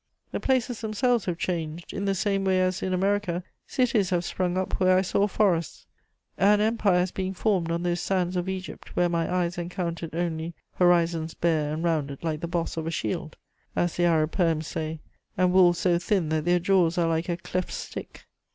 The places themselves have changed: in the same way, as in America, cities have sprung up where I saw forests, an empire is being formed on those sands of Egypt where my eyes encountered only "horizons bare and rounded like the boss of a shield," as the Arab poems say, "and wolves so thin that their jaws are like a cleft stick."